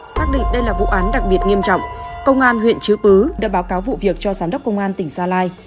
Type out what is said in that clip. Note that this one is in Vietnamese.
xác định đây là vụ án đặc biệt nghiêm trọng công an huyện chư pứ đã báo cáo vụ việc cho giám đốc công an tỉnh gia lai